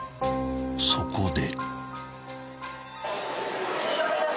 ［そこで］